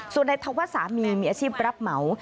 ส่วนในทั้งว่าสามีมีอาชีพรับเหมา